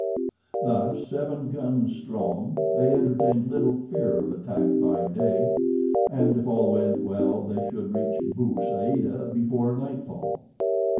Thus, seven guns strong, they entertained little fear of attack by day, and if all went well they should reach Bou Saada before nightfall.